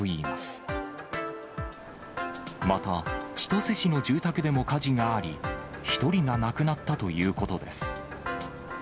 また千歳市の住宅でも火事があり、１人が亡くなったということです。